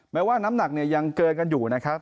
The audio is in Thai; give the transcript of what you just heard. แม้ว่าน้ำหนักเนี่ยยังเกินกันอยู่นะครับ